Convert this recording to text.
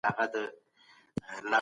باطل تل په تفرقه کي خپله ګټه ګوري.